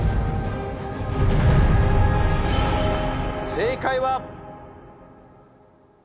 正解は。